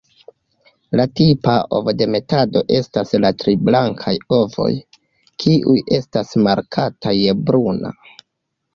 La tipa ovodemetado estas de tri blankaj ovoj, kiuj estas markataj je bruna.